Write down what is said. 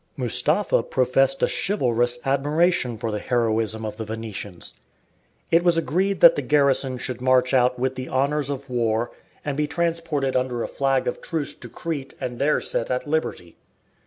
Mustapha professed a chivalrous admiration for the heroism of the Venetians. It was agreed that the garrison should march out with the honours of war, and be transported under a flag of truce to Crete and there set at liberty.